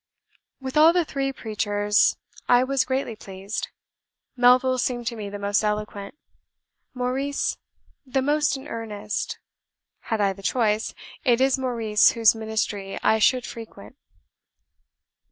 "With all the three preachers I was greatly pleased. Melville seemed to me the most eloquent, Maurice the most in earnest; had I the choice, it is Maurice whose ministry I should frequent.